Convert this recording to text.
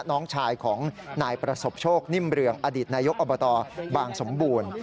น้องชายของนายประสบโชคนิ่มเรืองอดีตนายกอบตบางสมบูรณ์